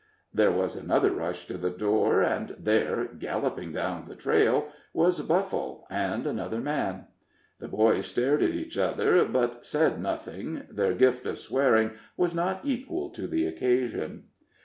There was another rush to the door, and there, galloping down the trail, was Buffle and another man. The boys stared at each other, but said nothing their gift of swearing was not equal to the occasion.